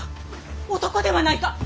男ではないか！